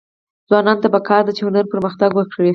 ځوانانو ته پکار ده چې، هنر پرمختګ ورکړي.